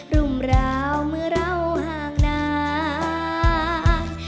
ุ่มราวมือเราหากนาน